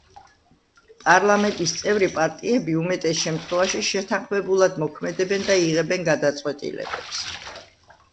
პარლამენტის წევრი პარტიები უმეტეს შემთხვევაში შეთანხმებულად მოქმედებენ და იღებენ გადაწყვეტილებებს.